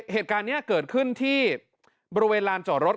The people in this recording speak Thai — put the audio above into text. เหตุการณ์นี้เกิดขึ้นที่บริเวณลานจอดรถ